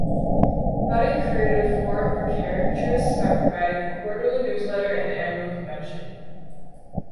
Buddy created a forum for caricaturists by providing a quarterly newsletter and annual convention.